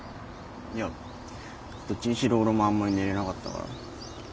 いやどっちにしろ俺もあんまり寝れなかったから。